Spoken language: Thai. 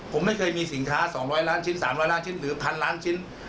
ผมไม่เคยมีสินค้า๒๐๐ล้านชิ้น๓๐๐ล้านชิ้นหรือ๑๐๐ล้านชิ้น